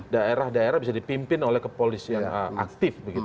daerah daerah bisa dipimpin oleh kepolisian aktif begitu